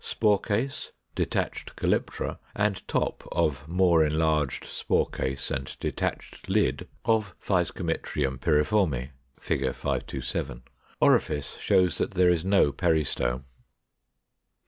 Spore case, detached calyptra, and top of more enlarged spore case and detached lid, of Physcomitrium pyriforme (Fig. 527): orifice shows that there is no peristome.